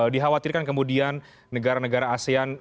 dikhawatirkan kemudian negara negara asean